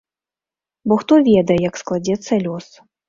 Бо хто ведае, як складзецца лёс?